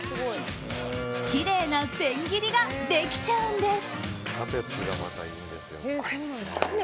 きれいな千切りができちゃうんです。